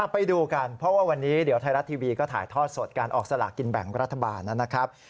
ไปดูกันเพราะว่าวันนี้เดี๋ยวไทยรัฐทีวีก็ถ่ายทอดสดการออกสลากินแบ่งรัฐบาลนะครับ